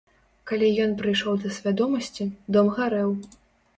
Калі ён прыйшоў да свядомасці, дом гарэў.